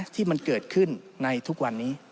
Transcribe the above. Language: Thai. ที่มันเกิดขึ้นในทุกวันนี้